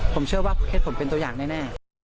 ผมเชื่อว่าเคสผมเป็นตัวอย่างแน่